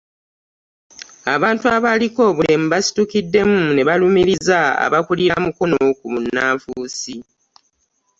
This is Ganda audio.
Abantu abaliko obulemu basitukiddemu ne balumiriza abakulira Mukono ku bunnanfuusi.